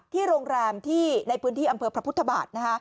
โรงแรมที่ในพื้นที่อำเภอพระพุทธบาท